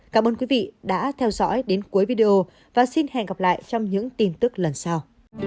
cảm ơn quý vị đã theo dõi đến cuối video và xin hẹn gặp lại trong những tin tức lần sau